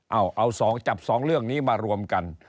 เอา๒จับ๒เรื่องนี้มารวมกัน